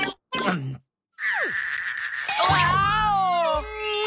ワーオ！